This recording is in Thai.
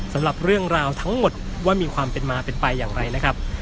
สำหรับเรื่องราวทั้งหมดว่ามีความเป็นมาเป็นไปอย่างไรนะครับ